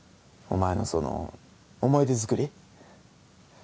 お前のその思い出づくり？